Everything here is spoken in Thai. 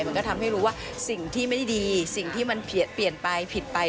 มันก็ทำให้รู้ว่าสิ่งที่ไม่ดีสิ่งที่มันเปลี่ยนไปผิดไป